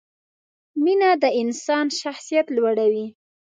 مینه د انسان شخصیت لوړوي.